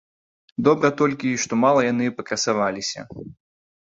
Добра толькі, што мала яны пакрасаваліся.